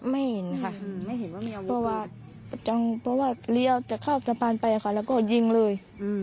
ไม่เห็นค่ะเพราะว่าเรียวจะเข้าสะพานไปค่ะแล้วก็ยิงเลย